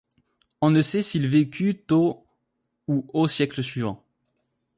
On ne sait s'il vécut au ou au siècle suivant.